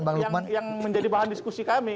nah ini sebenarnya problem yang menjadi bahan diskusi kami